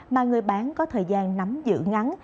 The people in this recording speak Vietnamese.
mà người bán có thời gian nắm giữ ngắn